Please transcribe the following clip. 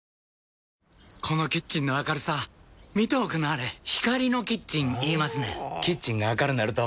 このキッチンの明るさ見ておくんなはれ光のキッチン言いますねんほぉキッチンが明るなると・・・